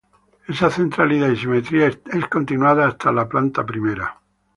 Esa centralidad y simetría es continuada hasta la planta primera.